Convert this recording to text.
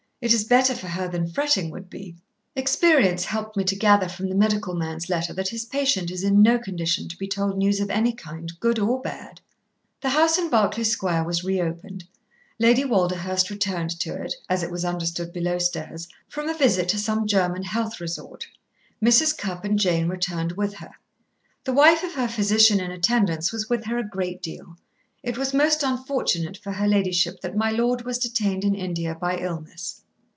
It is better for her than fretting would be. Experience helped me to gather from the medical man's letter that his patient is in no condition to be told news of any kind, good or bad." The house in Berkeley Square was reopened. Lady Walderhurst returned to it, as it was understood below stairs, from a visit to some German health resort. Mrs. Cupp and Jane returned with her. The wife of her physician in attendance was with her a great deal. It was most unfortunate for her ladyship that my lord was detained in India by illness.